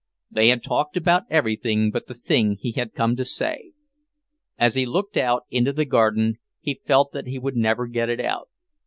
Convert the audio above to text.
They had talked about everything but the thing he had come to say. As he looked out into the garden he felt that he would never get it out.